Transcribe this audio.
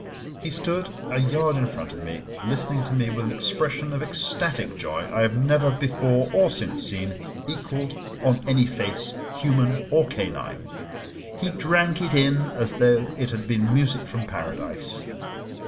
He stood a yard in front of me, listening to me with an expression of ecstatic joy I have never before or since seen equalled on any face, human or canine. He drank it in as though it had been music from Paradise.